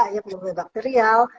yang punya bakterial